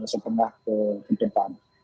setengah ke depan